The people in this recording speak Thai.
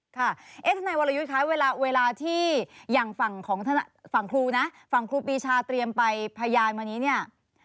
ทนายวรยุทธ์ค่ะเวลาที่อย่างฝั่งครูนะฝั่งครูปีชาเตรียมไปพยานวันนี้เนี่ย